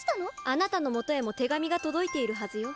あなたのもとへも手紙が届いているはずよ。